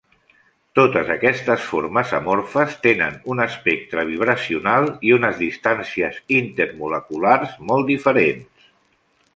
Totes aquestes formes amorfes tenen un espectre vibracional i unes distàncies intermoleculars molt diferents.